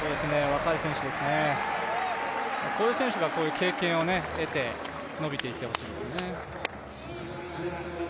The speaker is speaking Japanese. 若い選手ですね、こういう選手が経験を経て伸びていってほしいですね。